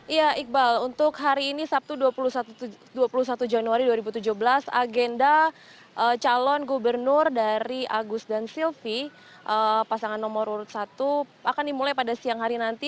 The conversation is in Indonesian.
iya iqbal untuk hari ini sabtu dua puluh satu januari dua ribu tujuh belas agenda calon gubernur dari agus dan silvi pasangan nomor urut satu akan dimulai pada siang hari nanti